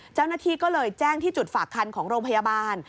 เจ้าหน้าที่ก็เลยแจ้งที่จุดฝากคันของโรงพยาบาล